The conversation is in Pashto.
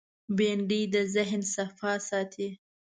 بېنډۍ د ذهن صفا ساتي